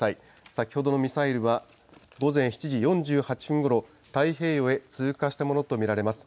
先ほどのミサイルは午前７時４８分ごろ、太平洋へ通過したものと見られます。